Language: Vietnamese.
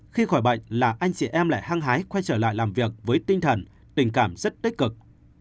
khi khỏi bệnh là anh chị em lại hăng hái quay trở lại làm việc với tinh thần tình cảm rất tích cực